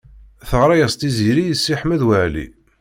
Teɣṛa-yas Tiziri i Si Ḥmed Waɛli.